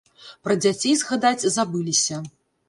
Пра дзяцей згадаць забыліся.